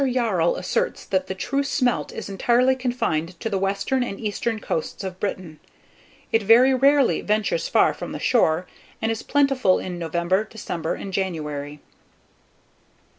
Yarrell asserts that the true smelt is entirety confined to the western and eastern coasts of Britain. It very rarely ventures far from the shore, and is plentiful in November, December, and January.